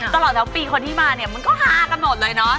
ตลอดทั้งปีคนที่มาเนี่ยมันก็ฮากันหมดเลยเนาะ